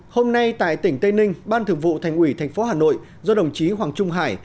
hôm nay tại tỉnh tây ninh ban thường vụ thành ủy thành phố hà nội do đồng chí hoàng trung hải